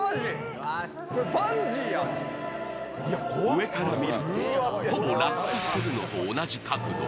上から見るとほぼ落下するのと同じ角度。